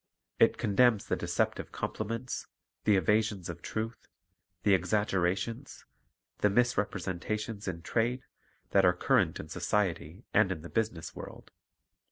It condemns the deceptive compliments, the evasions of truth, the exaggerations, the misrepresentations in trade, that are current in society and in the business world.